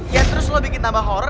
ya terus lo bikin nama horor